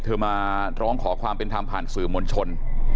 มาร้องขอความเป็นธรรมผ่านสื่อมวลชน